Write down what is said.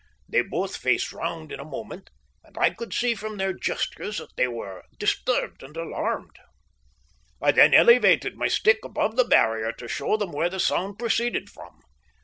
They both faced round in a moment, and I could see from their gestures that they were disturbed and alarmed. I then elevated my stick above the barrier to show them where the sound proceeded from.